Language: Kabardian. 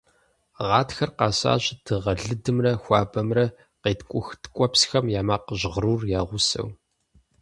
Гъатхэр къэсащ дыгъэ лыдымрэ хуабэмрэ, къеткӀух ткӀуэпсхэм я макъ жьгъырур я гъусэу.